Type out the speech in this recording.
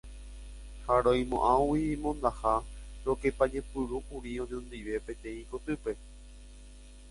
Ha roimo'ãgui mondaha rokepañepyrũkuri oñondive peteĩ kotýpe.